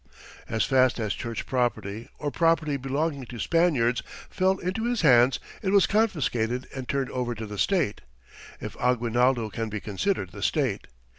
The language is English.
As fast as Church property, or property belonging to Spaniards, fell into his hands, it was confiscated and turned over to the State if Aguinaldo can be considered the State.